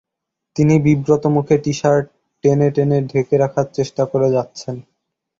তিনি বিব্রত মুখে টি-শার্ট টেনে টেনে ঢেকে রাখার চেষ্টা করে যাচ্ছেন।